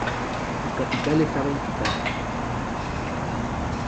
Su capital estaba en Chitá.